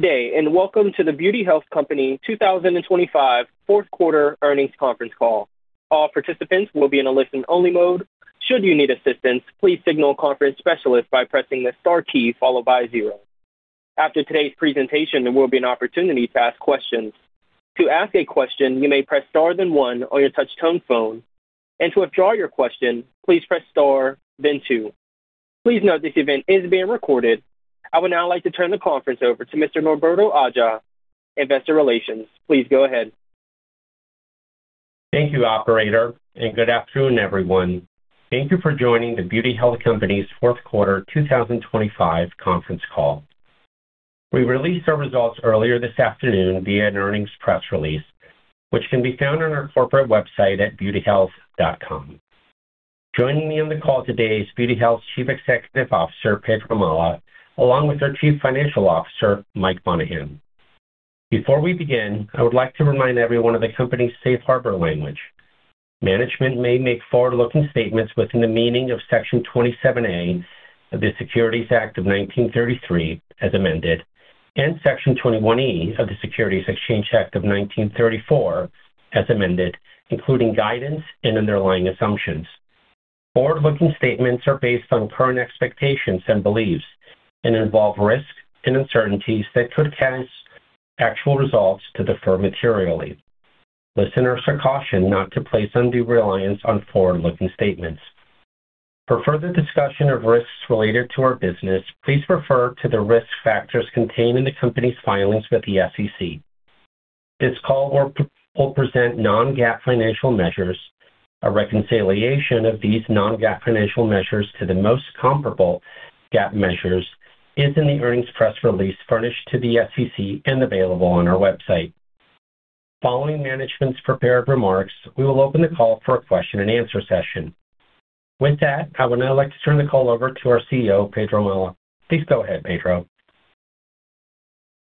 day, and welcome to The Beauty Health Company 2025 fourth quarter earnings conference call. All participants will be in a listen-only mode. Should you need assistance, please signal a conference specialist by pressing the star key followed by zero. After today's presentation, there will be an opportunity to ask questions. To ask a question, you may press star then one on your touch tone phone. To withdraw your question, please press star then two. Please note this event is being recorded. I would now like to turn the conference over to Mr. Norberto Aja, Investor Relations. Please go ahead. Thank you, operator, and good afternoon, everyone. Thank you for joining The Beauty Health Company's fourth quarter 2025 conference call. We released our results earlier this afternoon via an earnings press release, which can be found on our corporate website at beautyhealth.com. Joining me on the call today is The Beauty Health Company's Chief Executive Officer, Pedro Malha, along with our Chief Financial Officer, Mike Monahan. Before we begin, I would like to remind everyone of the company's Safe Harbor language. Management may make forward-looking statements within the meaning of Section 27A of the Securities Act of 1933, as amended, and Section 21E of the Securities Exchange Act of 1934, as amended, including guidance and underlying assumptions. Forward-looking statements are based on current expectations and beliefs and involve risks and uncertainties that could cause actual results to differ materially. Listeners are cautioned not to place undue reliance on forward-looking statements. For further discussion of risks related to our business, please refer to the risk factors contained in the company's filings with the SEC. This call will present non-GAAP financial measures. A reconciliation of these non-GAAP financial measures to the most comparable GAAP measures is in the earnings press release furnished to the SEC and available on our website. Following management's prepared remarks, we will open the call for a question-and-answer session. With that, I would now like to turn the call over to our CEO, Pedro Malha. Please go ahead, Pedro.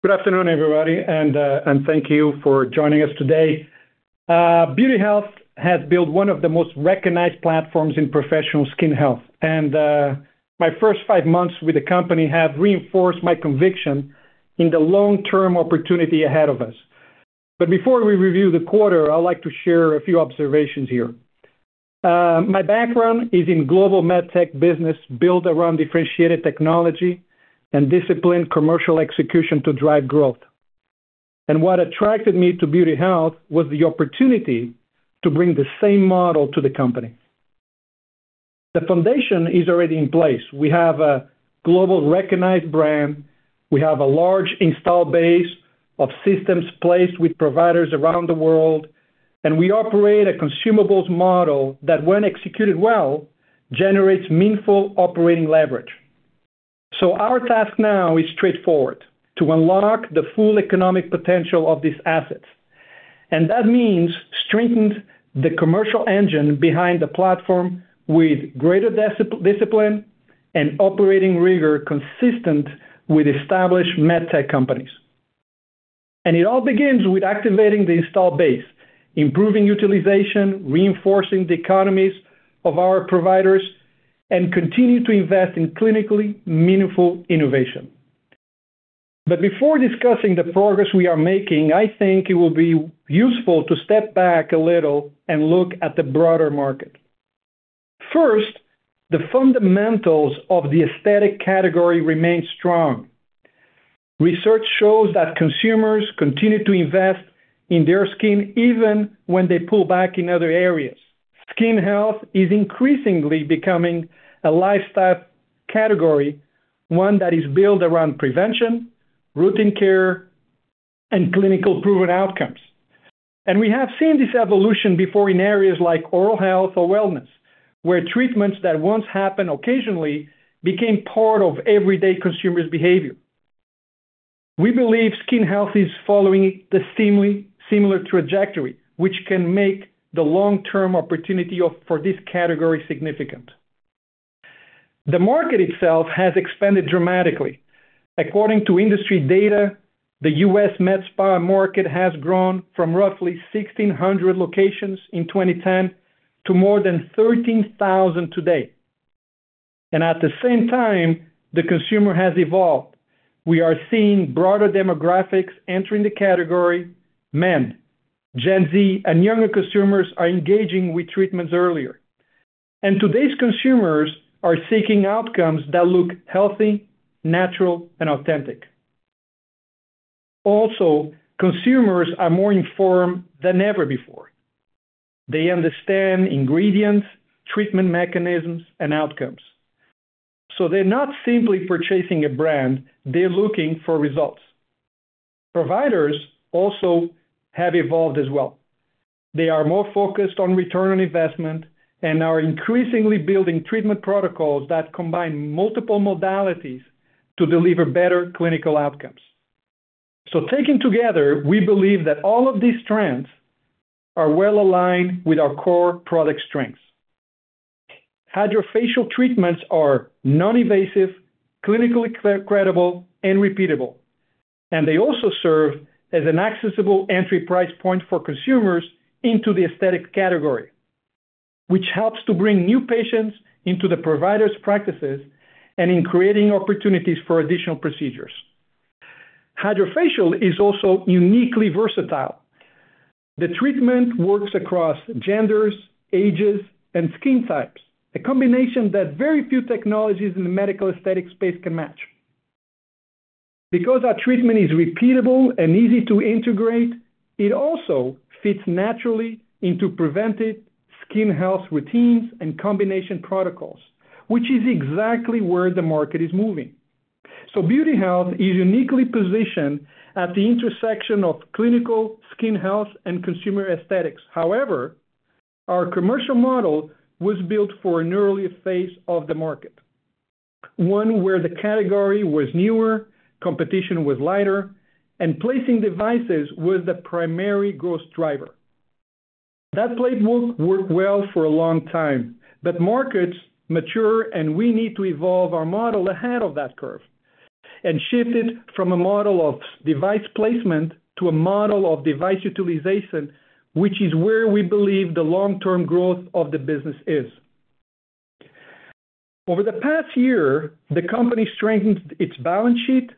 Good afternoon, everybody, and thank you for joining us today. BeautyHealth has built one of the most recognized platforms in professional skin health. My first five months with the company have reinforced my conviction in the long-term opportunity ahead of us. Before we review the quarter, I'd like to share a few observations here. My background is in global medtech business built around differentiated technology and disciplined commercial execution to drive growth. What attracted me to BeautyHealth was the opportunity to bring the same model to the company. The foundation is already in place. We have a global recognized brand. We have a large installed base of systems placed with providers around the world. We operate a consumables model that when executed well, generates meaningful operating leverage. Our task now is straightforward, to unlock the full economic potential of these assets. That means strengthen the commercial engine behind the platform with greater discipline and operating rigor consistent with established medtech companies. It all begins with activating the installed base, improving utilization, reinforcing the economies of our providers, and continue to invest in clinically meaningful innovation. Before discussing the progress we are making, I think it will be useful to step back a little and look at the broader market. First, the fundamentals of the aesthetic category remain strong. Research shows that consumers continue to invest in their skin even when they pull back in other areas. Skin health is increasingly becoming a lifestyle category, one that is built around prevention, routine care, and clinically proven outcomes. We have seen this evolution before in areas like oral health or wellness, where treatments that once happened occasionally became part of everyday consumers' behavior. We believe skin health is following the similar trajectory, which can make the long-term opportunity for this category significant. The market itself has expanded dramatically. According to industry data, the U.S. med spa market has grown from roughly 1,600 locations in 2010 to more than 13,000 today. At the same time, the consumer has evolved. We are seeing broader demographics entering the category. Men, Gen Z, and younger consumers are engaging with treatments earlier. Today's consumers are seeking outcomes that look healthy, natural, and authentic. Also, consumers are more informed than ever before. They understand ingredients, treatment mechanisms, and outcomes. They're not simply purchasing a brand, they're looking for results. Providers also have evolved as well. They are more focused on return on investment and are increasingly building treatment protocols that combine multiple modalities to deliver better clinical outcomes. Taken together, we believe that all of these trends are well aligned with our core product strengths. Hydrafacial treatments are non-invasive, clinically credible, and repeatable. They also serve as an accessible entry price point for consumers into the aesthetic category, which helps to bring new patients into the provider's practices and in creating opportunities for additional procedures. Hydrafacial is also uniquely versatile. The treatment works across genders, ages, and skin types, a combination that very few technologies in the medical aesthetic space can match. Because our treatment is repeatable and easy to integrate, it also fits naturally into preventive skin health routines and combination protocols, which is exactly where the market is moving. BeautyHealth is uniquely positioned at the intersection of clinical skin health and consumer aesthetics. However, our commercial model was built for an earlier phase of the market, one where the category was newer, competition was lighter, and placing devices was the primary growth driver. That playbook worked well for a long time, but markets mature, and we need to evolve our model ahead of that curve and shift it from a model of device placement to a model of device utilization, which is where we believe the long-term growth of the business is. Over the past year, the company strengthened its balance sheet,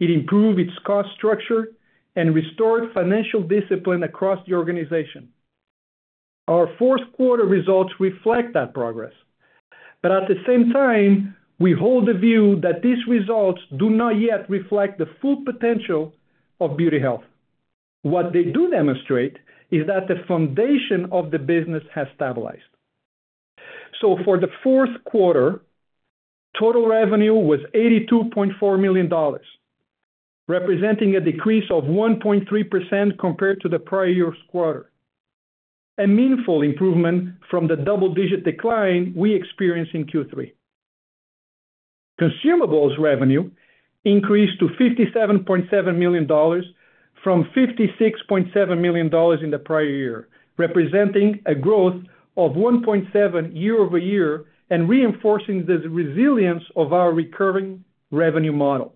it improved its cost structure, and restored financial discipline across the organization. Our fourth quarter results reflect that progress. At the same time, we hold the view that these results do not yet reflect the full potential of BeautyHealth. What they do demonstrate is that the foundation of the business has stabilized. For the fourth quarter, total revenue was $82.4 million, representing a decrease of 1.3% compared to the prior year's quarter, a meaningful improvement from the double-digit decline we experienced in Q3. Consumables revenue increased to $57.7 million from $56.7 million in the prior year, representing a growth of 1.7% year-over-year and reinforcing the resilience of our recurring revenue model.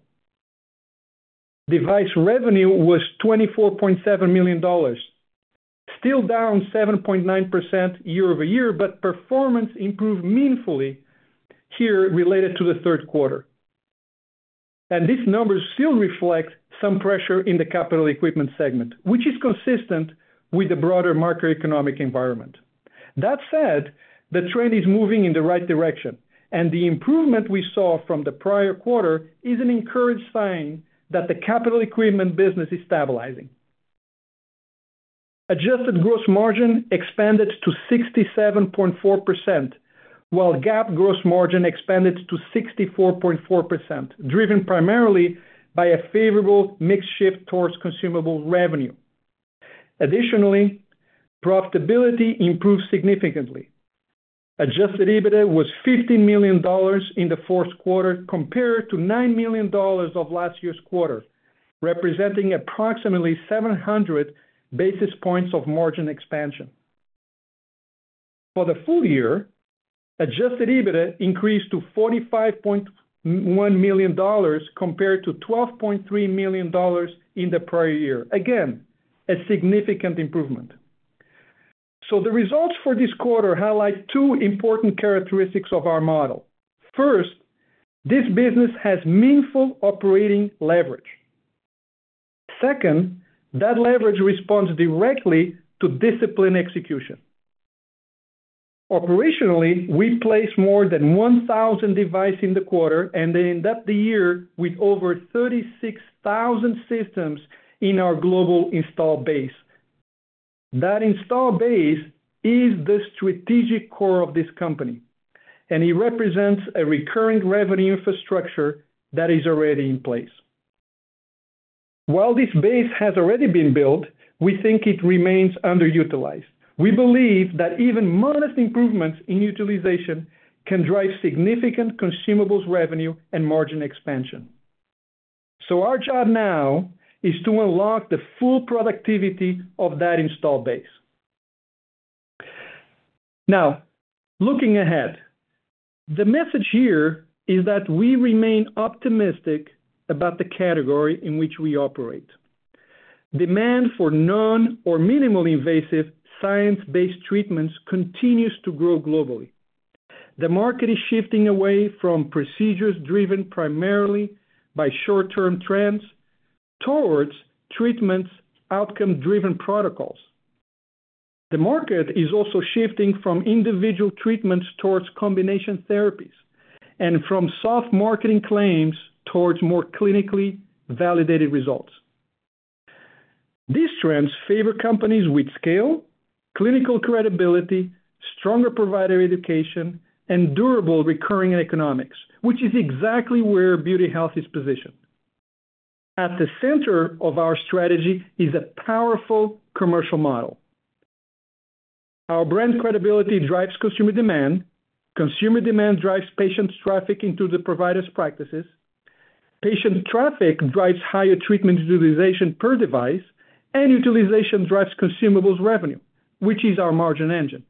Device revenue was $24.7 million, still down 7.9% year-over-year, but performance improved meaningfully here related to the third quarter. These numbers still reflect some pressure in the capital equipment segment, which is consistent with the broader macroeconomic environment. That said, the trend is moving in the right direction, and the improvement we saw from the prior quarter is an encouraging sign that the capital equipment business is stabilizing. Adjusted gross margin expanded to 67.4%, while GAAP gross margin expanded to 64.4%, driven primarily by a favorable mix shift towards consumable revenue. Additionally, profitability improved significantly. Adjusted EBITDA was $15 million in the fourth quarter compared to $9 million of last year's quarter, representing approximately 700 basis points of margin expansion. For the full year, adjusted EBITDA increased to $45.1 million compared to $12.3 million in the prior year. Again, a significant improvement. The results for this quarter highlight two important characteristics of our model. First, this business has meaningful operating leverage. Second, that leverage responds directly to disciplined execution. Operationally, we placed more than 1,000 devices in the quarter and then end up the year with over 36,000 systems in our global installed base. That installed base is the strategic core of this company, and it represents a recurring revenue infrastructure that is already in place. While this base has already been built, we think it remains underutilized. We believe that even modest improvements in utilization can drive significant consumables revenue and margin expansion. Our job now is to unlock the full productivity of that installed base. Now, looking ahead, the message here is that we remain optimistic about the category in which we operate. Demand for non or minimally invasive science-based treatments continues to grow globally. The market is shifting away from procedures driven primarily by short-term trends towards treatments outcome-driven protocols. The market is also shifting from individual treatments towards combination therapies and from soft marketing claims towards more clinically validated results. These trends favor companies with scale, clinical credibility, stronger provider education, and durable recurring economics, which is exactly where BeautyHealth is positioned. At the center of our strategy is a powerful commercial model. Our brand credibility drives consumer demand, consumer demand drives patients traffic into the provider's practices, patient traffic drives higher treatment utilization per device, and utilization drives consumables revenue, which is our margin engine.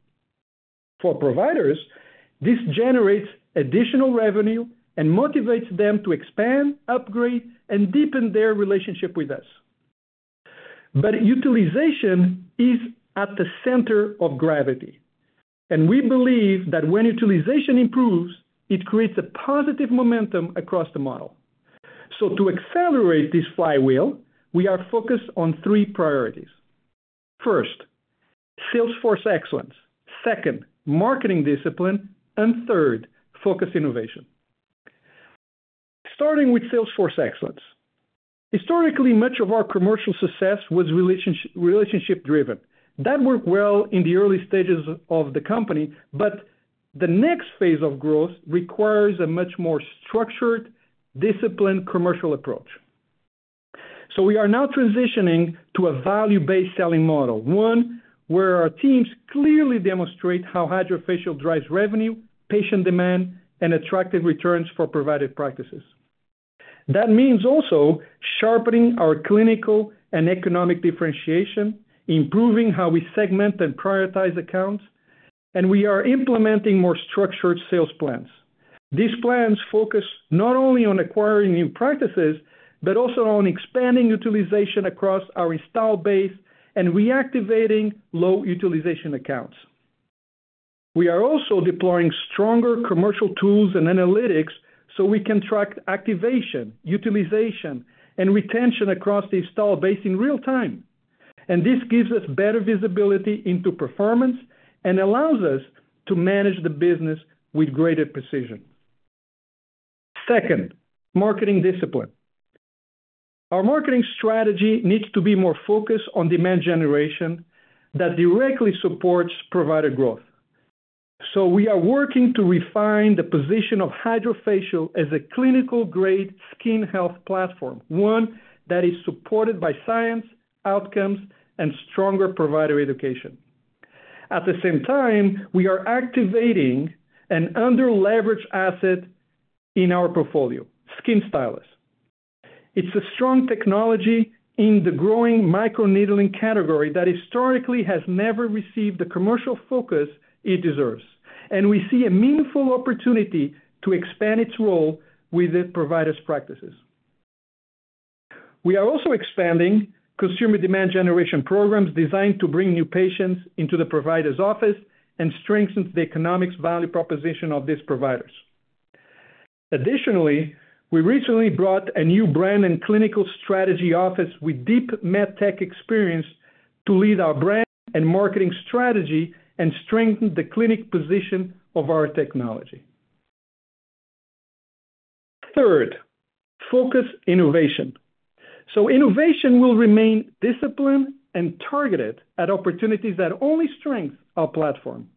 For providers, this generates additional revenue and motivates them to expand, upgrade, and deepen their relationship with us. Utilization is at the center of gravity, and we believe that when utilization improves, it creates a positive momentum across the model. To accelerate this flywheel, we are focused on three priorities. First, salesforce excellence. Second, marketing discipline. And third, focused innovation. Starting with sales force excellence. Historically, much of our commercial success was relationship-driven. That worked well in the early stages of the company, but the next phase of growth requires a much more structured, disciplined commercial approach. We are now transitioning to a value-based selling model. One where our teams clearly demonstrate how Hydrafacial drives revenue, patient demand, and attractive returns for provider practices. That means also sharpening our clinical and economic differentiation, improving how we segment and prioritize accounts, and we are implementing more structured sales plans. These plans focus not only on acquiring new practices, but also on expanding utilization across our installed base and reactivating low utilization accounts. We are also deploying stronger commercial tools and analytics, so we can track activation, utilization, and retention across the installed base in real time. This gives us better visibility into performance and allows us to manage the business with greater precision. Second, marketing discipline. Our marketing strategy needs to be more focused on demand generation that directly supports provider growth. We are working to refine the position of Hydrafacial as a clinical-grade skin health platform, one that is supported by science, outcomes, and stronger provider education. At the same time, we are activating an under-leveraged asset in our portfolio, SkinStylus. It's a strong technology in the growing microneedling category that historically has never received the commercial focus it deserves, and we see a meaningful opportunity to expand its role with the provider's practices. We are also expanding consumer demand generation programs designed to bring new patients into the provider's office and strengthen the economic value proposition of these providers. Additionally, we recently brought a new brand and clinical strategy office with deep medtech experience to lead our brand and marketing strategy and strengthen the clinic position of our technology. Third, focus innovation. Innovation will remain disciplined and targeted at opportunities that only strengthen our platform.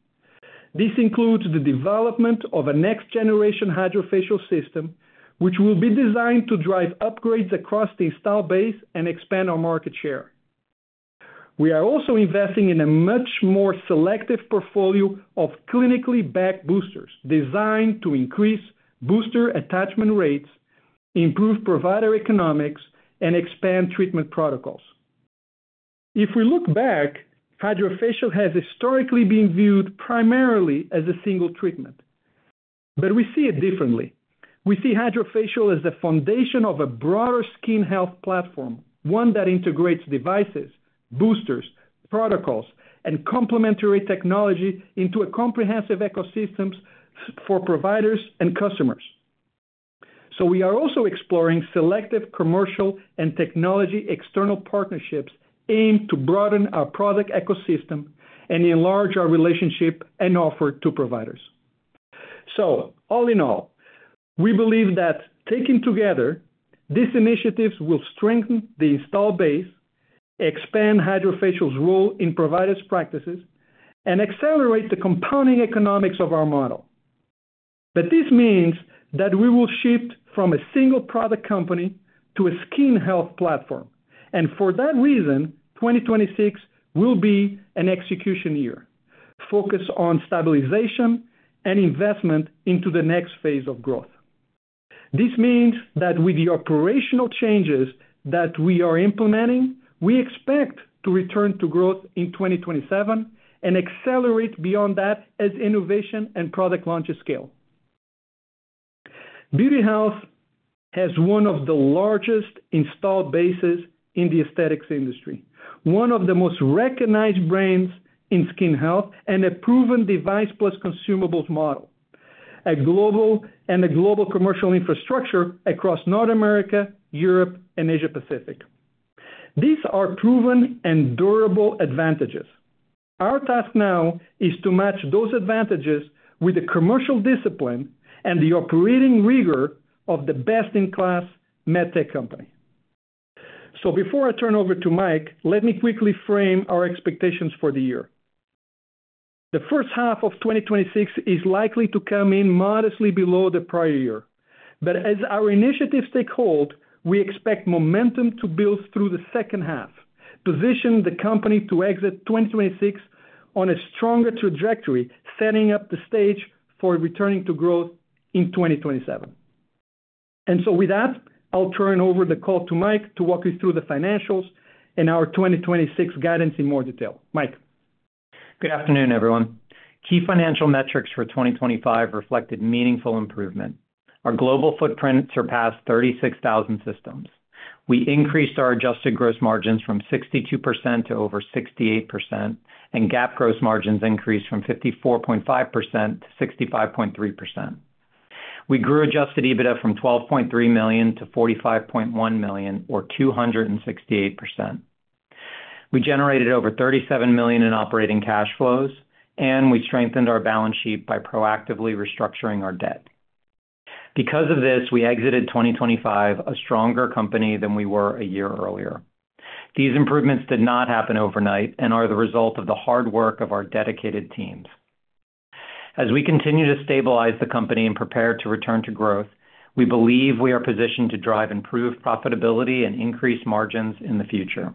This includes the development of a next generation Hydrafacial system, which will be designed to drive upgrades across the installed base and expand our market share. We are also investing in a much more selective portfolio of clinically backed boosters designed to increase booster attachment rates, improve provider economics, and expand treatment protocols. If we look back, Hydrafacial has historically been viewed primarily as a single treatment, but we see it differently. We see Hydrafacial as the foundation of a broader skin health platform, one that integrates devices, boosters, protocols, and complementary technology into a comprehensive ecosystem for providers and customers. We are also exploring selective commercial and technology external partnerships aimed to broaden our product ecosystem and enlarge our relationship and offer to providers. All in all, we believe that taken together, these initiatives will strengthen the installed base, expand Hydrafacial's role in providers' practices, and accelerate the compounding economics of our model. This means that we will shift from a single product company to a skin health platform. For that reason, 2026 will be an execution year, focused on stabilization and investment into the next phase of growth. This means that with the operational changes that we are implementing, we expect to return to growth in 2027 and accelerate beyond that as innovation and product launches scale. BeautyHealth has one of the largest installed bases in the aesthetics industry, one of the most recognized brands in skin health, and a proven device plus consumables model, a global commercial infrastructure across North America, Europe, and Asia Pacific. These are proven and durable advantages. Our task now is to match those advantages with the commercial discipline and the operating rigor of the best-in-class medtech company. Before I turn over to Mike, let me quickly frame our expectations for the year. The first half of 2026 is likely to come in modestly below the prior year. As our initiatives take hold, we expect momentum to build through the second half, position the company to exit 2026 on a stronger trajectory, setting up the stage for returning to growth in 2027. With that, I'll turn over the call to Mike to walk you through the financials and our 2026 guidance in more detail. Mike? Good afternoon, everyone. Key financial metrics for 2025 reflected meaningful improvement. Our global footprint surpassed 36,000 systems. We increased our adjusted gross margins from 62% to over 68%, and GAAP gross margins increased from 54.5% to 65.3%. We grew adjusted EBITDA from $12.3 million to $45.1 million or 268%. We generated over $37 million in operating cash flows, and we strengthened our balance sheet by proactively restructuring our debt. Because of this, we exited 2025 a stronger company than we were a year earlier. These improvements did not happen overnight and are the result of the hard work of our dedicated teams. As we continue to stabilize the company and prepare to return to growth, we believe we are positioned to drive improved profitability and increase margins in the future.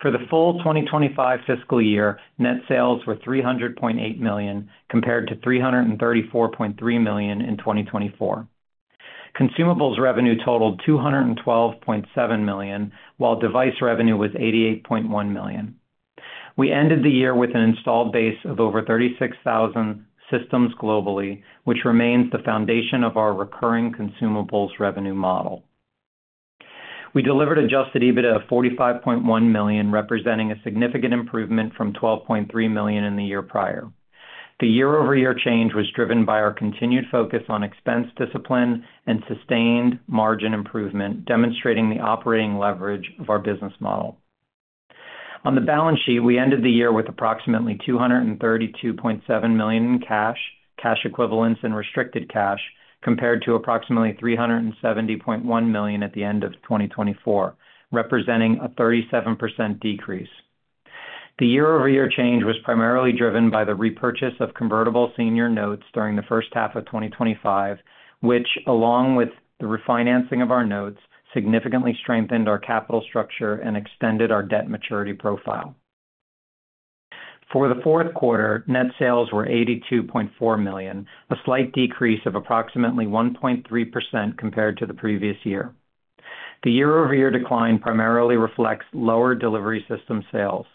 For the full 2025 fiscal year, net sales were $300.8 million, compared to $334.3 million in 2024. Consumables revenue totaled $212.7 million, while device revenue was $88.1 million. We ended the year with an installed base of over 36,000 systems globally, which remains the foundation of our recurring consumables revenue model. We delivered adjusted EBITDA of $45.1 million, representing a significant improvement from $12.3 million in the year prior. The year-over-year change was driven by our continued focus on expense discipline and sustained margin improvement, demonstrating the operating leverage of our business model. On the balance sheet, we ended the year with approximately $232.7 million in cash, cash equivalents, and restricted cash, compared to approximately $370.1 million at the end of 2024, representing a 37% decrease. The year-over-year change was primarily driven by the repurchase of convertible senior notes during the first half of 2025, which, along with the refinancing of our notes, significantly strengthened our capital structure and extended our debt maturity profile. For the fourth quarter, net sales were $82.4 million, a slight decrease of approximately 1.3% compared to the previous year. The year-over-year decline primarily reflects lower delivery system sales.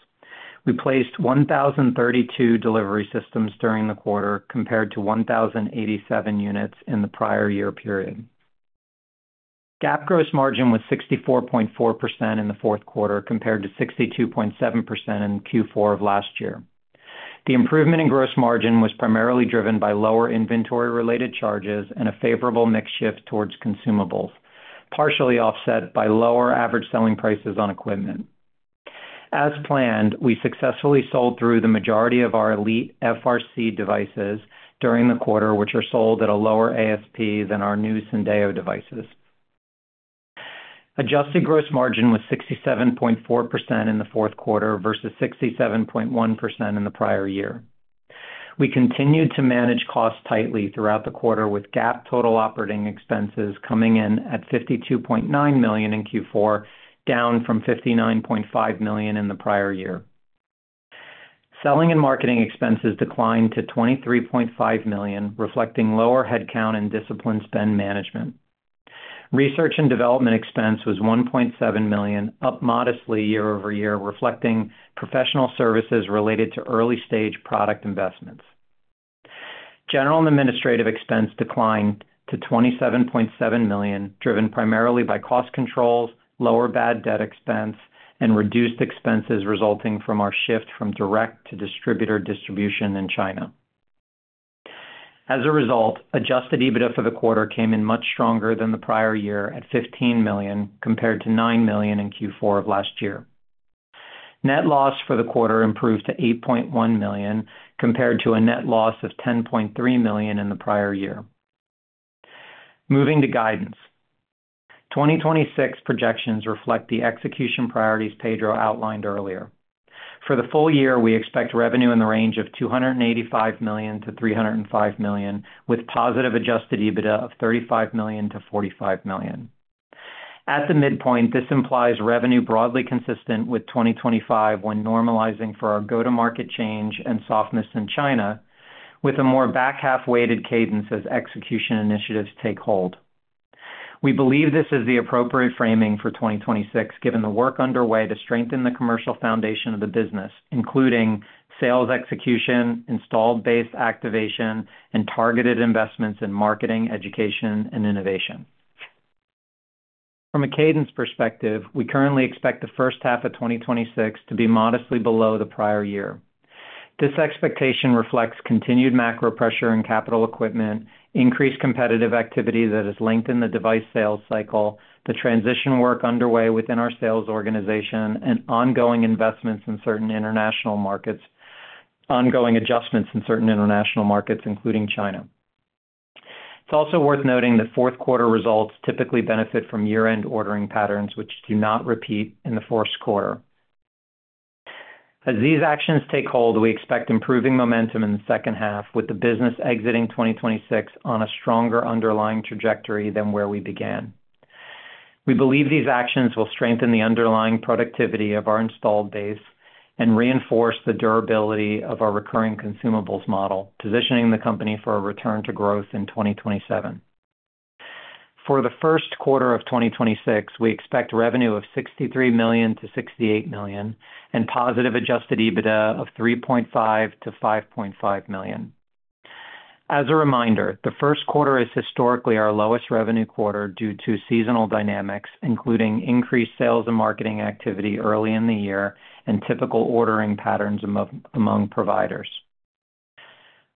We placed 1,032 delivery systems during the quarter, compared to 1,087 units in the prior year period. GAAP gross margin was 64.4% in the fourth quarter, compared to 62.7% in Q4 of last year. The improvement in gross margin was primarily driven by lower inventory-related charges and a favorable mix shift towards consumables, partially offset by lower average selling prices on equipment. As planned, we successfully sold through the majority of our Elite FRC devices during the quarter, which are sold at a lower ASP than our new Syndeo devices. Adjusted gross margin was 67.4% in the fourth quarter versus 67.1% in the prior year. We continued to manage costs tightly throughout the quarter, with GAAP total operating expenses coming in at $52.9 million in Q4, down from $59.5 million in the prior year. Selling and marketing expenses declined to $23.5 million, reflecting lower headcount and disciplined spend management. Research and development expense was $1.7 million, up modestly year-over-year, reflecting professional services related to early-stage product investments. General and administrative expense declined to $27.7 million, driven primarily by cost controls, lower bad debt expense, and reduced expenses resulting from our shift from direct to distributor distribution in China. As a result, adjusted EBITDA for the quarter came in much stronger than the prior year at $15 million compared to $9 million in Q4 of last year. Net loss for the quarter improved to $8.1 million compared to a net loss of $10.3 million in the prior year. Moving to guidance. 2026 projections reflect the execution priorities Pedro outlined earlier. For the full year, we expect revenue in the range of $285 million-$305 million, with positive adjusted EBITDA of $35 million-$45 million. At the midpoint, this implies revenue broadly consistent with 2025 when normalizing for our go-to-market change and softness in China, with a more back-half weighted cadence as execution initiatives take hold. We believe this is the appropriate framing for 2026, given the work underway to strengthen the commercial foundation of the business, including sales execution, installed base activation, and targeted investments in marketing, education, and innovation. From a cadence perspective, we currently expect the first half of 2026 to be modestly below the prior year. This expectation reflects continued macro pressure in capital equipment, increased competitive activity that has lengthened the device sales cycle, the transition work underway within our sales organization, and ongoing adjustments in certain international markets, including China. It's also worth noting that fourth quarter results typically benefit from year-end ordering patterns, which do not repeat in the first quarter. These actions take hold, we expect improving momentum in the second half, with the business exiting 2026 on a stronger underlying trajectory than where we began. We believe these actions will strengthen the underlying productivity of our installed base and reinforce the durability of our recurring consumables model, positioning the company for a return to growth in 2027. For the first quarter of 2026, we expect revenue of $63 million-$68 million and positive adjusted EBITDA of $3.5 million-$5.5 million. As a reminder, the first quarter is historically our lowest revenue quarter due to seasonal dynamics, including increased sales and marketing activity early in the year and typical ordering patterns among providers.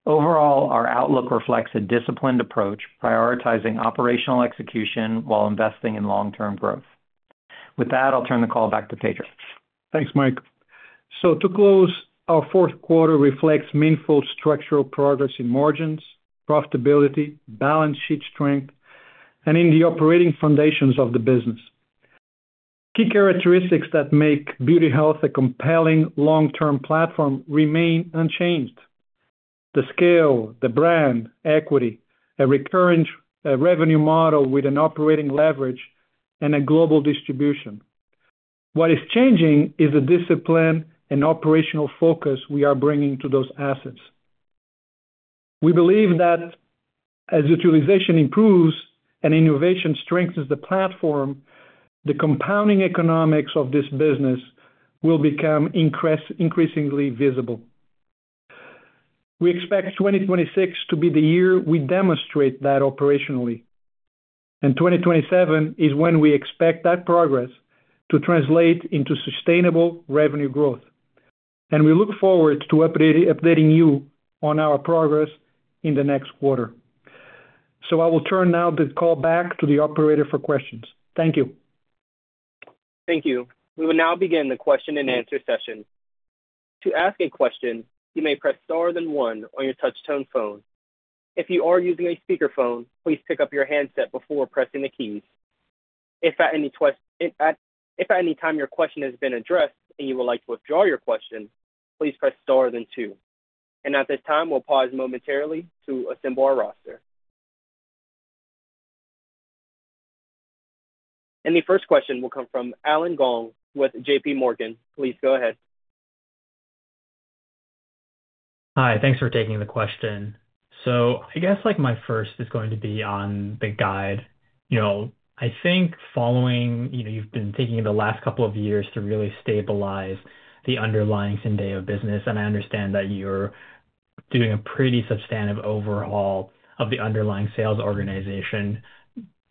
Overall, our outlook reflects a disciplined approach, prioritizing operational execution while investing in long-term growth. With that, I'll turn the call back to Pedro. Thanks, Mike. To close, our fourth quarter reflects meaningful structural progress in margins, profitability, balance sheet strength, and in the operating foundations of the business. Key characteristics that make BeautyHealth a compelling long-term platform remain unchanged. The scale, the brand equity, a recurring revenue model with an operating leverage and a global distribution. What is changing is the discipline and operational focus we are bringing to those assets. We believe that as utilization improves and innovation strengthens the platform, the compounding economics of this business will become increasingly visible. We expect 2026 to be the year we demonstrate that operationally, and 2027 is when we expect that progress to translate into sustainable revenue growth. We look forward to updating you on our progress in the next quarter. I will now turn the call back to the operator for questions. Thank you. Thank you. We will now begin the question-and-answer session. To ask a question, you may press star then one on your touch-tone phone. If you are using a speakerphone, please pick up your handset before pressing the keys. If at any time your question has been addressed and you would like to withdraw your question, please press star then two. At this time, we'll pause momentarily to assemble our roster. The first question will come from Allen Gong with JPMorgan. Please go ahead. Hi, thanks for taking the question. I guess like my first is going to be on the guide. You know, I think following, you know, you've been taking the last couple of years to really stabilize the underlying Syndeo business, and I understand that you're doing a pretty substantive overhaul of the underlying sales organization.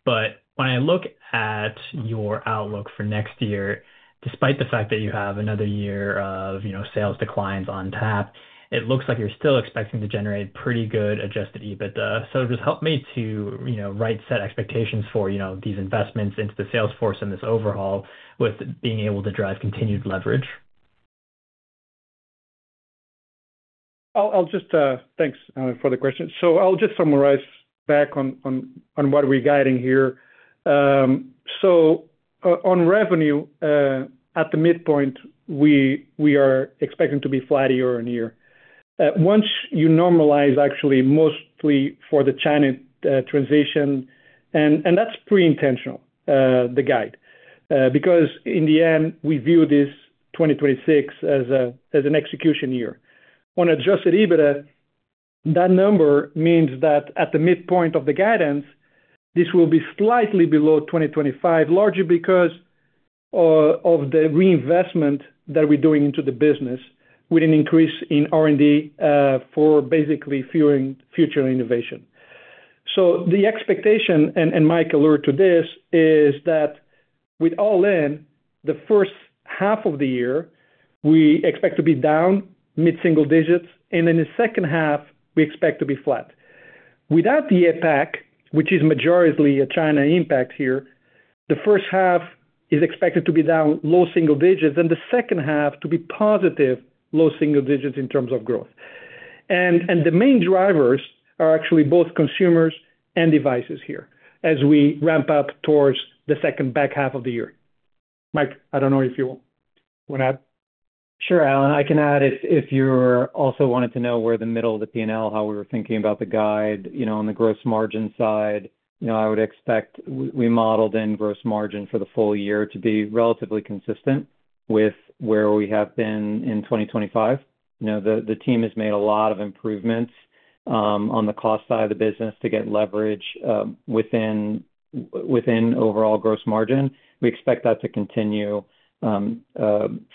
When I look at your outlook for next year, despite the fact that you have another year of, you know, sales declines on tap, it looks like you're still expecting to generate pretty good adjusted EBITDA. Just help me to, you know, reset expectations for, you know, these investments into the sales force and this overhaul with being able to drive continued leverage. Thanks, Allen, for the question. I'll just circle back on what we're guiding here. On revenue, at the midpoint, we are expecting to be flat year-on-year. Once you normalize actually mostly for the China transition, and that's the intentional guide, because in the end, we view this 2026 as an execution year. On adjusted EBITDA, that number means that at the midpoint of the guidance, this will be slightly below 2025, largely because of the reinvestment that we're doing into the business with an increase in R&D for basically fueling future innovation. The expectation, and Mike alluded to this, is that with all in the first half of the year, we expect to be down mid-single digits, and in the second half, we expect to be flat. Without the APAC, which is majorly a China impact here, the first half is expected to be down low single digits and the second half to be positive low single digits in terms of growth. The main drivers are actually both consumers and devices here as we ramp up towards the second back half of the year. Mike, I don't know if you wanna add. Sure. Allen, I can add if you're also wanting to know where the middle of the P&L, how we were thinking about the guide, you know, on the gross margin side. You know, I would expect we modeled in gross margin for the full year to be relatively consistent with where we have been in 2025. You know, the team has made a lot of improvements on the cost side of the business to get leverage within overall gross margin. We expect that to continue for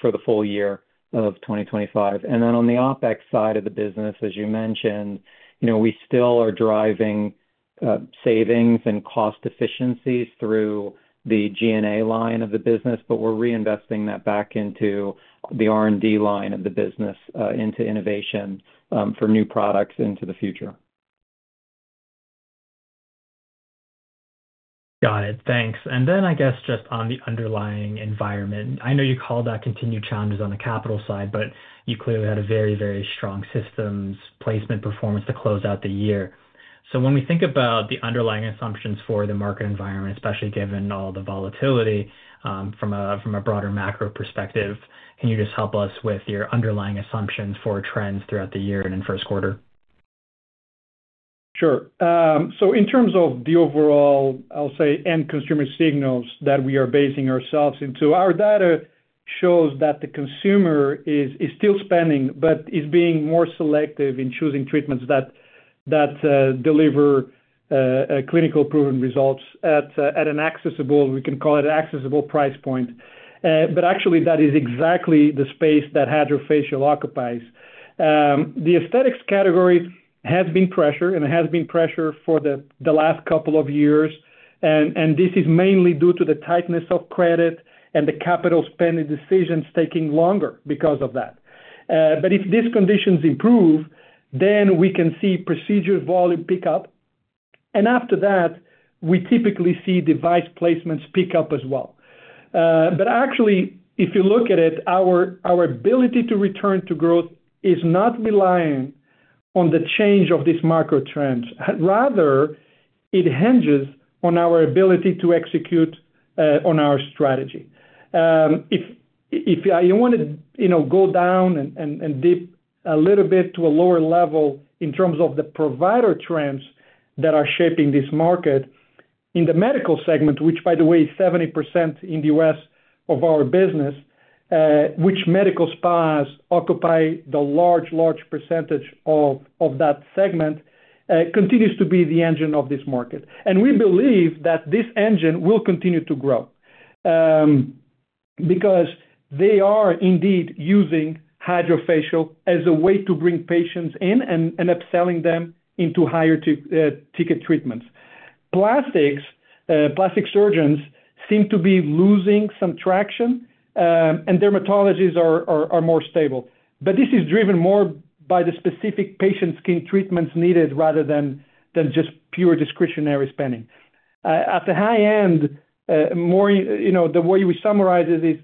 the full year of 2025. On the OpEx side of the business, as you mentioned, you know, we still are driving savings and cost efficiencies through the G&A line of the business, but we're reinvesting that back into the R&D line of the business, into innovation, for new products into the future. Got it. Thanks. Then I guess just on the underlying environment, I know you called out continued challenges on the capital side, but you clearly had a very, very strong systems placement performance to close out the year. When we think about the underlying assumptions for the market environment, especially given all the volatility, from a broader macro perspective, can you just help us with your underlying assumptions for trends throughout the year and in first quarter? Sure. So in terms of the overall, I'll say, end consumer signals that we are basing ourselves on our data shows that the consumer is still spending but is being more selective in choosing treatments that deliver clinically proven results at an accessible, we can call it accessible price point. Actually that is exactly the space that Hydrafacial occupies. The aesthetics category has been pressured for the last couple of years. This is mainly due to the tightness of credit and the capital spending decisions taking longer because of that. If these conditions improve, then we can see procedure volume pick up. After that, we typically see device placements pick up as well. Actually, if you look at it, our ability to return to growth is not relying on the change of these macro trends. Rather, it hinges on our ability to execute on our strategy. If you want to, you know, go down and dip a little bit to a lower level in terms of the provider trends that are shaping this market, in the Medical segment, which by the way, 70% in the U.S. of our business, which medical spas occupy the large percentage of that segment, continues to be the engine of this market. We believe that this engine will continue to grow because they are indeed using Hydrafacial as a way to bring patients in and upselling them into higher ticket treatments. Plastic surgeons seem to be losing some traction, and dermatologists are more stable. This is driven more by the specific patient skin treatments needed rather than just pure discretionary spending. At the high end, you know, the way we summarize it is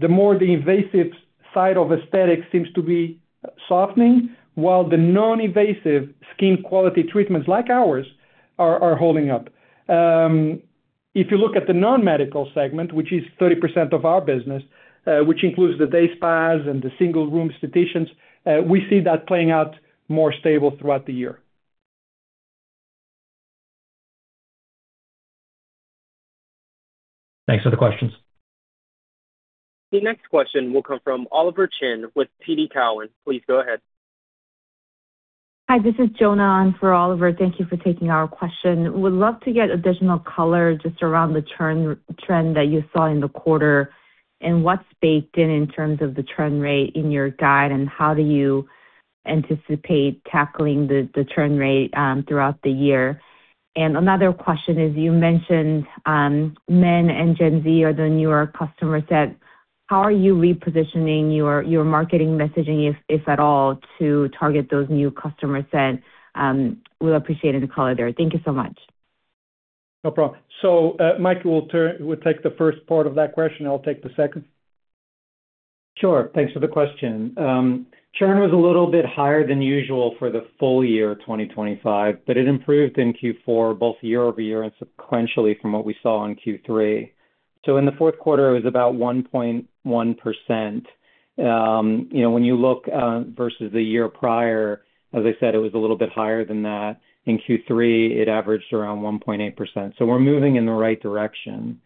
the more invasive side of aesthetics seems to be softening, while the non-invasive skin quality treatments like ours are holding up. If you look at the Non-Medical segment, which is 30% of our business, which includes the day spas and the single-room institutions, we see that playing out more stable throughout the year. Thanks for the questions. The next question will come from Oliver Chen with TD Cowen. Please go ahead. Hi, this is Jonna on for Oliver. Thank you for taking our question. Would love to get additional color just around the churn trend that you saw in the quarter, and what's baked in in terms of the churn rate in your guide, and how do you anticipate tackling the churn rate throughout the year? Another question is, you mentioned men and Gen Z are the newer customer set. How are you repositioning your marketing messaging, if at all, to target those new customer sets? We'll appreciate any color there. Thank you so much. No problem. Mike will take the first part of that question. I'll take the second. Sure. Thanks for the question. Churn was a little bit higher than usual for the full year 2025, but it improved in Q4, both year-over-year and sequentially from what we saw in Q3. In the fourth quarter, it was about 1.1%. You know, when you look versus the year prior, as I said, it was a little bit higher than that. In Q3, it averaged around 1.8%. We're moving in the right direction.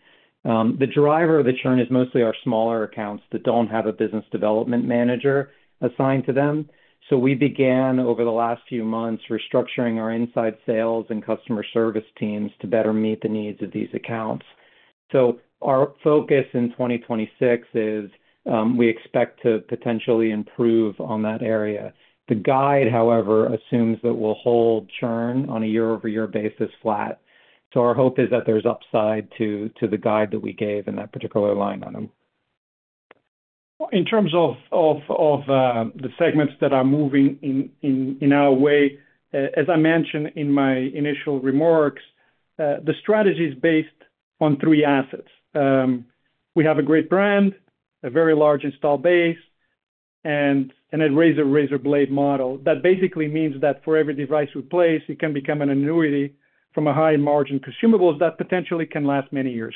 The driver of the churn is mostly our smaller accounts that don't have a business development manager assigned to them. We began, over the last few months, restructuring our inside sales and customer service teams to better meet the needs of these accounts. Our focus in 2026 is we expect to potentially improve on that area. The guide, however, assumes that we'll hold churn on a year-over-year basis flat. Our hope is that there's upside to the guide that we gave in that particular line item. In terms of the segments that are moving in our way, as I mentioned in my initial remarks, the strategy is based on three assets. We have a great brand, a very large installed base, and a razor-blade model. That basically means that for every device we place, it can become an annuity from high-margin consumables that potentially can last many years.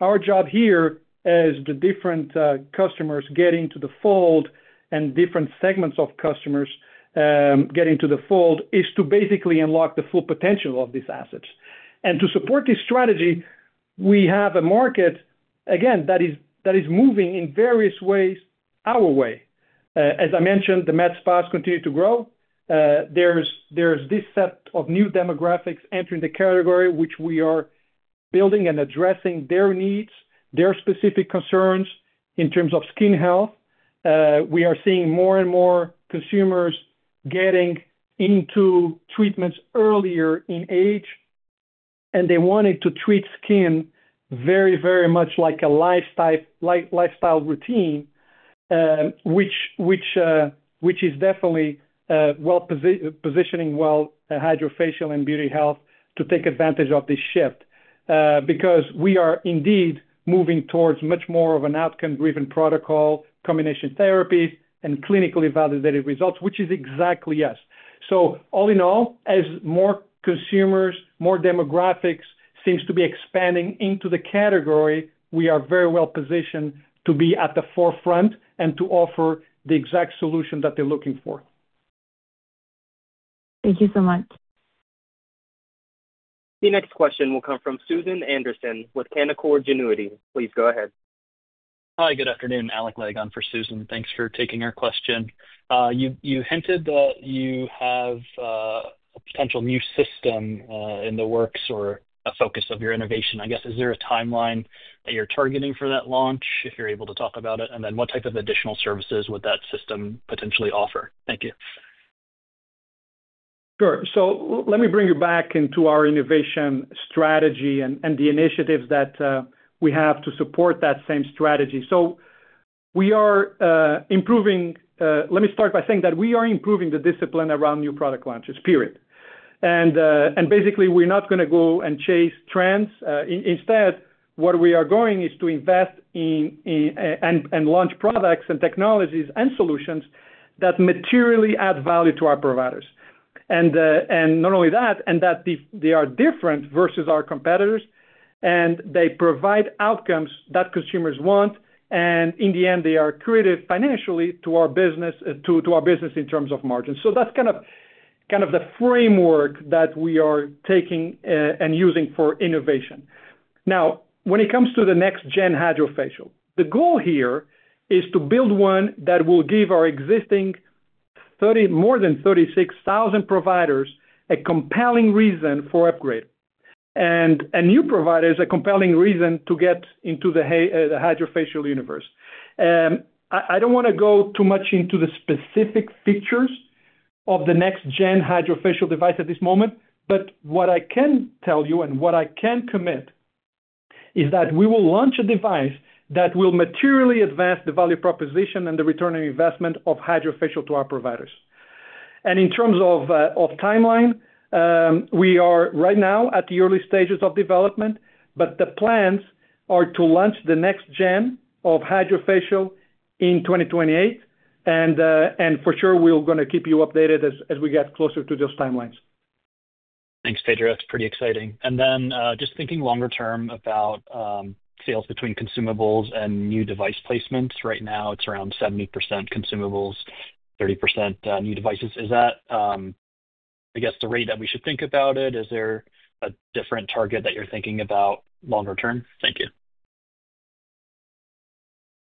Our job here as the different customers get into the fold and different segments of customers get into the fold is to basically unlock the full potential of these assets. To support this strategy, we have a market, again, that is moving in various ways our way. As I mentioned, the med spas continue to grow. There's this set of new demographics entering the category, which we are building and addressing their needs, their specific concerns in terms of skin health. We are seeing more and more consumers getting into treatments earlier in age, and they wanted to treat skin very, very much like a lifestyle routine, which is definitely well positioning well Hydrafacial and BeautyHealth to take advantage of this shift. Because we are indeed moving towards much more of an outcome-driven protocol, combination therapy, and clinically validated results, which is exactly yes. All in all, as more consumers, more demographics seems to be expanding into the category, we are very well positioned to be at the forefront and to offer the exact solution that they're looking for. Thank you so much. The next question will come from Susan Anderson with Canaccord Genuity. Please go ahead. Hi, good afternoon. Alec Legg for Susan. Thanks for taking our question. You hinted that you have a potential new system in the works or a focus of your innovation, I guess. Is there a timeline that you're targeting for that launch, if you're able to talk about it? What type of additional services would that system potentially offer? Thank you. Sure. Let me bring you back into our innovation strategy and the initiatives that we have to support that same strategy. Let me start by saying that we are improving the discipline around new product launches, period. Basically, we're not gonna go and chase trends. Instead, what we are going is to invest in and launch products and technologies and solutions that materially add value to our providers. Not only that they are different versus our competitors, and they provide outcomes that consumers want, and in the end, they are accretive financially to our business, to our business in terms of margins. That's kind of the framework that we are taking and using for innovation. Now, when it comes to the next-gen Hydrafacial, the goal here is to build one that will give our existing more than 36,000 providers a compelling reason for upgrade. A new provider is a compelling reason to get into the Hydrafacial universe. I don't wanna go too much into the specific features of the next-gen Hydrafacial device at this moment, but what I can tell you and what I can commit is that we will launch a device that will materially advance the value proposition and the return on investment of Hydrafacial to our providers. In terms of timeline, we are right now at the early stages of development, but the plans are to launch the next gen of Hydrafacial in 2028, and for sure, we're gonna keep you updated as we get closer to those timelines. Thanks, Pedro. It's pretty exciting. Just thinking longer term about sales between consumables and new device placements. Right now, it's around 70% consumables, 30% new devices. Is that, I guess the rate that we should think about it? Is there a different target that you're thinking about longer term? Thank you.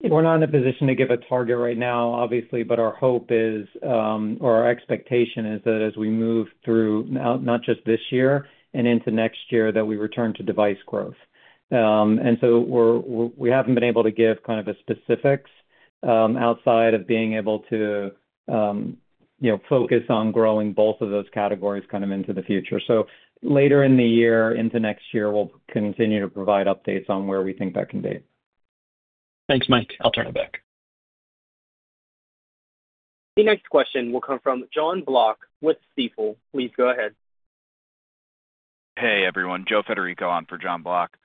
We're not in a position to give a target right now, obviously, but our hope is, or our expectation is that as we move through not just this year and into next year, that we return to device growth. We haven't been able to give kind of the specifics, outside of being able to, you know, focus on growing both of those categories kind of into the future. Later in the year into next year, we'll continue to provide updates on where we think that can be. Thanks, Mike. I'll turn it back. The next question will come from Jon Block with Stifel. Please go ahead. Hey, everyone. Joe Federico on for Jon Block.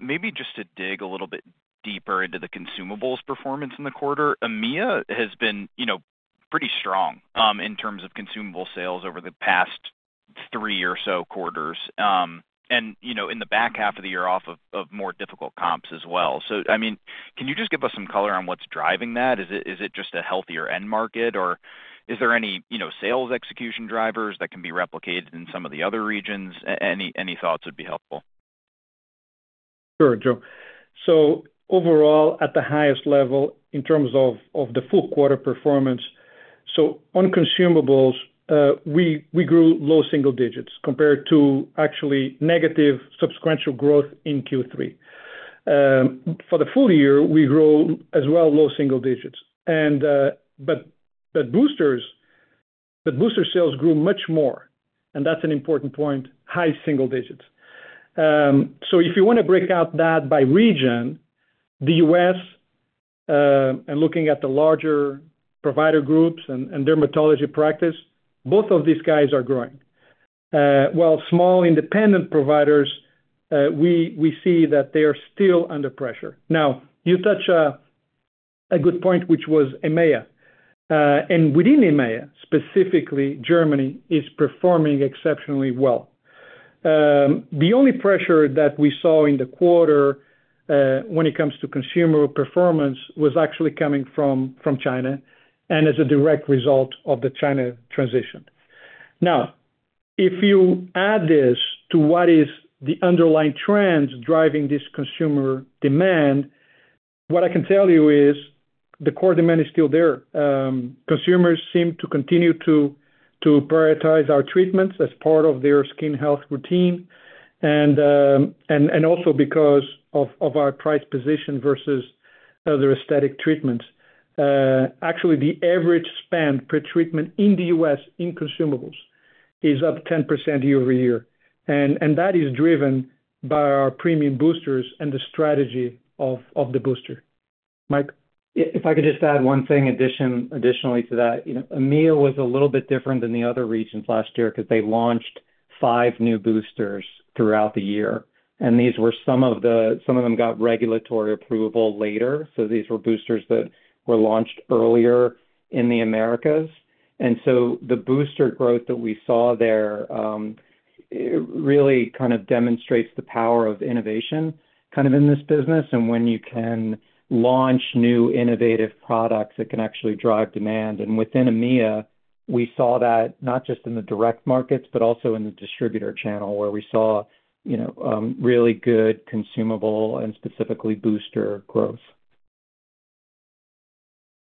Maybe just to dig a little bit deeper into the consumables performance in the quarter. EMEA has been, you know, pretty strong, in terms of consumable sales over the past three or so quarters, and, you know, in the back half of the year off of more difficult comps as well. I mean, can you just give us some color on what's driving that? Is it just a healthier end market, or is there any, you know, sales execution drivers that can be replicated in some of the other regions? Any thoughts would be helpful. Sure, Joe. Overall, at the highest level in terms of the full quarter performance, on consumables, we grew low single digits compared to actually negative sequential growth in Q3. For the full year, we grew as well low single digits. The booster sales grew much more, and that's an important point, high single digits. If you wanna break out that by region, the U.S., and looking at the larger provider groups and dermatology practice, both of these guys are growing. While small independent providers, we see that they are still under pressure. Now, you touch a good point, which was EMEA. And within EMEA, specifically Germany is performing exceptionally well. The only pressure that we saw in the quarter, when it comes to consumer performance, was actually coming from China and as a direct result of the China transition. If you add this to what is the underlying trends driving this consumer demand, what I can tell you is the core demand is still there. Consumers seem to continue to prioritize our treatments as part of their skin health routine and also because of our price position versus other aesthetic treatments. Actually, the average spend per treatment in the U.S. in consumables is up 10% year-over-year. That is driven by our premium boosters and the strategy of the booster. Mike? If I could just add one thing additionally to that. You know, EMEA was a little bit different than the other regions last year 'cause they launched five new boosters throughout the year. Some of them got regulatory approval later, so these were boosters that were launched earlier in the Americas. The booster growth that we saw there. It really kind of demonstrates the power of innovation kind of in this business and when you can launch new innovative products that can actually drive demand. Within EMEA, we saw that not just in the direct markets, but also in the distributor channel where we saw, you know, really good consumable and specifically booster growth.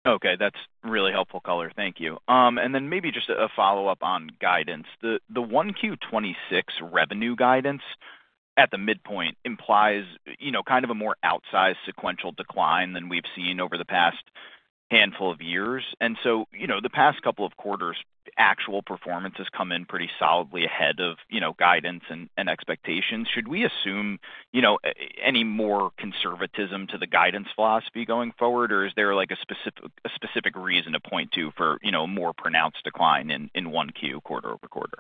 Okay. That's really helpful color. Thank you. Maybe just a follow-up on guidance. The 1Q 2026 revenue guidance at the midpoint implies, you know, kind of a more outsized sequential decline than we've seen over the past handful of years. You know, the past couple of quarters, actual performance has come in pretty solidly ahead of, you know, guidance and expectations. Should we assume, you know, any more conservatism to the guidance philosophy going forward? Or is there like a specific reason to point to for, you know, a more pronounced decline in 1Q quarter-over-quarter?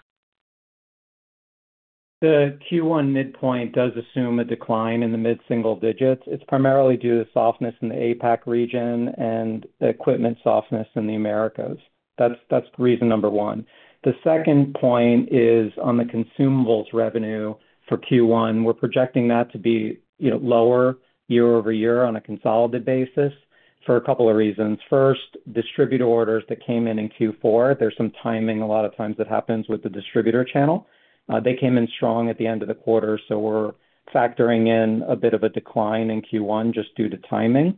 The Q1 midpoint does assume a decline in the mid-single digits. It's primarily due to softness in the APAC region and equipment softness in the Americas. That's reason number one. The second point is on the consumables revenue for Q1. We're projecting that to be, you know, lower year-over-year on a consolidated basis for a couple of reasons. First, distributor orders that came in in Q4, there's some timing a lot of times that happens with the distributor channel. They came in strong at the end of the quarter, so we're factoring in a bit of a decline in Q1 just due to timing.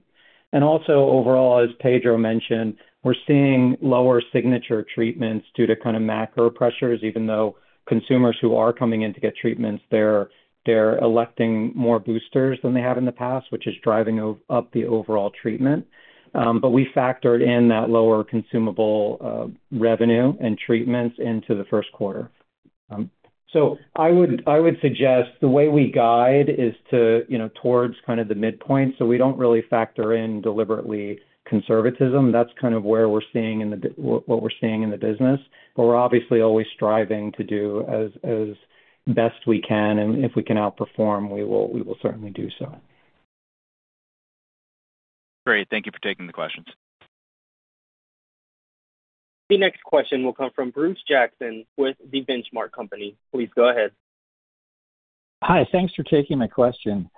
Also overall, as Pedro mentioned, we're seeing lower signature treatments due to kind of macro pressures, even though consumers who are coming in to get treatments. They're electing more boosters than they have in the past, which is driving up the overall treatment. We factored in that lower consumable revenue and treatments into the first quarter. I would suggest the way we guide is to, you know, towards kind of the midpoint. We don't really factor in deliberate conservatism. That's kind of where we're seeing in the business, but we're obviously always striving to do as best we can, and if we can outperform, we will certainly do so. Great. Thank you for taking the questions. The next question will come from Bruce Jackson with The Benchmark Company. Please go ahead. Hi. Thanks for taking my question.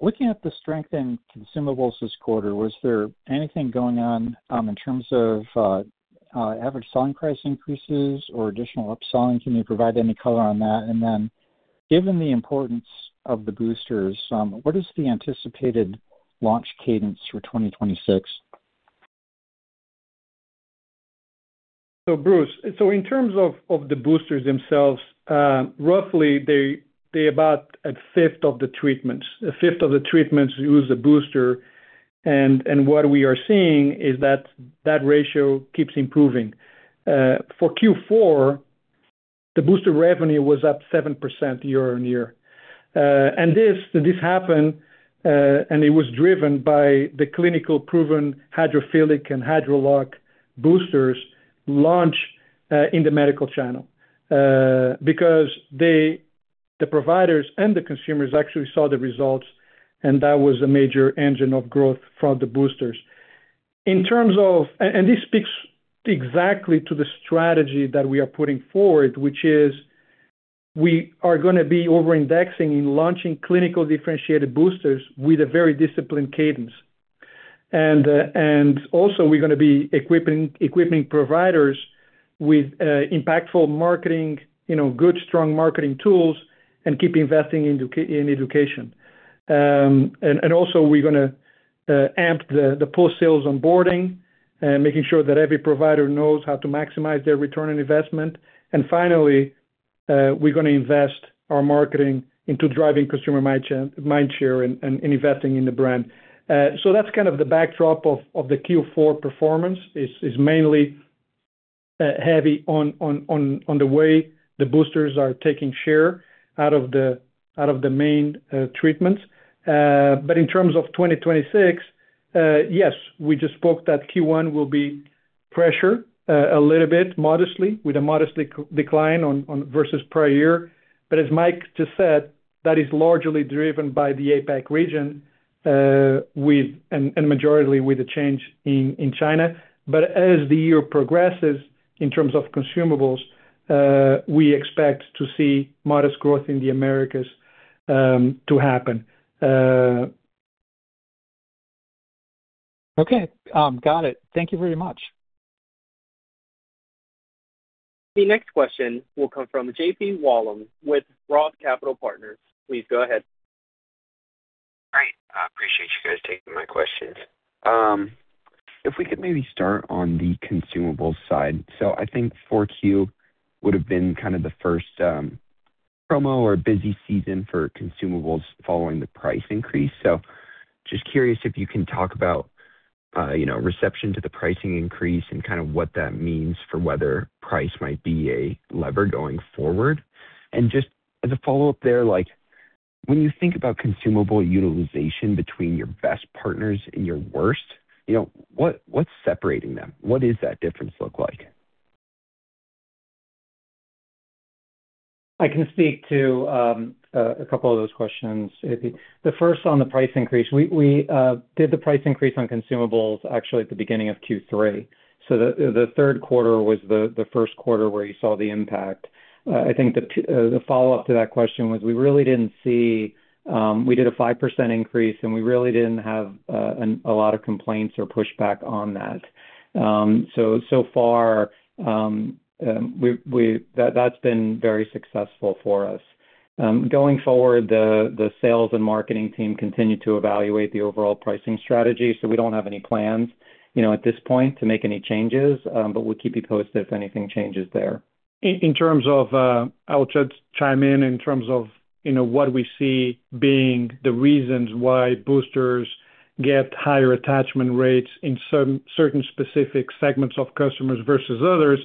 Looking at the strength in consumables this quarter, was there anything going on in terms of average selling price increases or additional upselling? Can you provide any color on that? Given the importance of the boosters, what is the anticipated launch cadence for 2026? Bruce, in terms of the boosters themselves, roughly they about 1/5 of the treatments. A fifth of the treatments use a booster, and what we are seeing is that ratio keeps improving. For Q4, the booster revenue was up 7% year-over-year. This happened, and it was driven by the clinically proven HydraFillic and Hydralock Boosters launch in the medical channel. Because they, the providers and the consumers actually saw the results, and that was a major engine of growth for the boosters. This speaks exactly to the strategy that we are putting forward, which is we are gonna be over-indexing in launching clinically differentiated boosters with a very disciplined cadence. Also we're gonna be equipping providers with impactful marketing, you know, good, strong marketing tools and keep investing in education. Also we're gonna amp the post-sales onboarding, making sure that every provider knows how to maximize their return on investment. Finally, we're gonna invest our marketing into driving consumer mindshare and investing in the brand. That's kind of the backdrop of the Q4 performance is mainly heavy on the way the boosters are taking share out of the main treatments. In terms of 2026, yes, we just spoke that Q1 will be pressure, a little bit modestly with a modestly decline versus prior year. As Mike just said, that is largely driven by the APAC region, with and majority with the change in China. As the year progresses in terms of consumables, we expect to see modest growth in the Americas to happen. Okay. Got it. Thank you very much. The next question will come from JP Wollam with ROTH Capital Partners. Please go ahead. Great. I appreciate you guys taking my questions. If we could maybe start on the consumables side. I think Q4 would have been kind of the first promo or busy season for consumables following the price increase. Just curious if you can talk about, you know, reception to the pricing increase and kind of what that means for whether price might be a lever going forward. Just as a follow-up there, like when you think about consumable utilization between your best partners and your worst, you know, what's separating them? What is that difference look like? I can speak to a couple of those questions. The first on the price increase. We did the price increase on consumables actually at the beginning of Q3, so the third quarter was the first quarter where you saw the impact. I think the follow-up to that question was we really didn't see we did a 5% increase, and we really didn't have a lot of complaints or pushback on that. So far, that's been very successful for us. Going forward, the sales and marketing team continue to evaluate the overall pricing strategy. We don't have any plans, you know, at this point to make any changes, but we'll keep you posted if anything changes there. I'll just chime in. In terms of, you know, what we see being the reasons why boosters get higher attachment rates in some certain specific segments of customers versus others.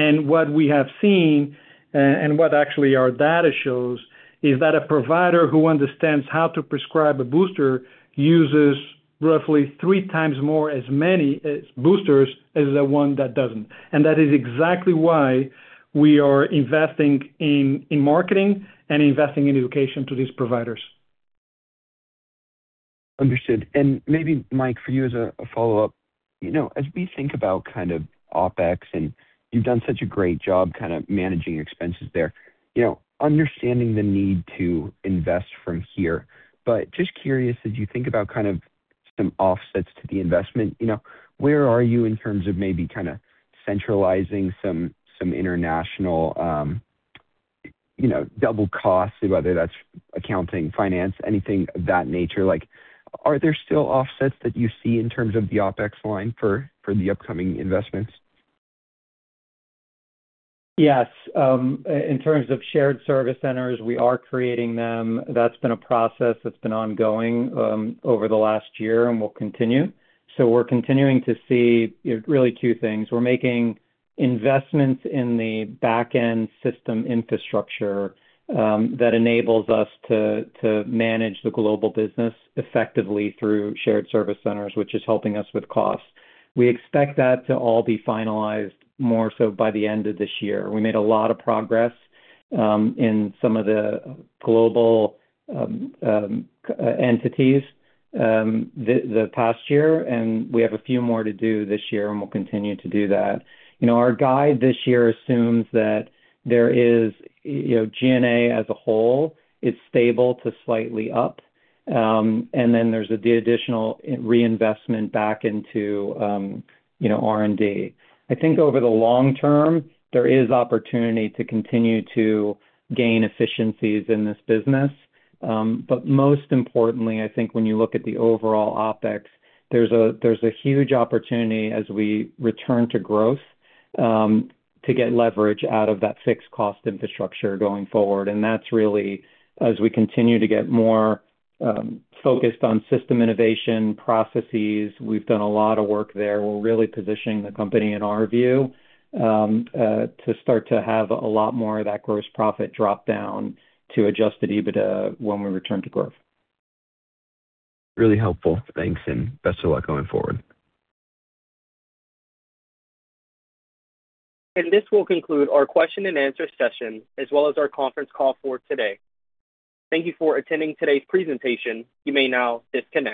What we have seen, and what actually our data shows is that a provider who understands how to prescribe a booster uses roughly three times more as many as boosters as the one that doesn't. That is exactly why we are investing in marketing and investing in education to these providers. Understood. Maybe, Mike, for you as a follow-up. You know, as we think about kind of OpEx, and you've done such a great job kind of managing expenses there. You know, understanding the need to invest from here, but just curious, as you think about kind of some offsets to the investment, you know, where are you in terms of maybe kind of centralizing some international, you know, double costs, whether that's accounting, finance, anything of that nature. Like, are there still offsets that you see in terms of the OpEx line for the upcoming investments? Yes. In terms of shared service centers, we are creating them. That's been a process that's been ongoing over the last year and will continue. We're continuing to see, you know, really two things. We're making investments in the back-end system infrastructure that enables us to manage the global business effectively through shared service centers, which is helping us with costs. We expect that to all be finalized more so by the end of this year. We made a lot of progress in some of the global key entities in the past year, and we have a few more to do this year, and we'll continue to do that. You know, our guide this year assumes that, you know, G&A as a whole is stable to slightly up. There's the additional reinvestment back into, you know, R&D. I think over the long term, there is opportunity to continue to gain efficiencies in this business. Most importantly, I think when you look at the overall OpEx, there's a huge opportunity as we return to growth, to get leverage out of that fixed cost infrastructure going forward. That's really as we continue to get more focused on system innovation processes. We've done a lot of work there. We're really positioning the company in our view, to start to have a lot more of that gross profit drop down to adjusted EBITDA when we return to growth. Really helpful. Thanks, and best of luck going forward. This will conclude our question and answer session, as well as our conference call for today. Thank you for attending today's presentation. You may now disconnect.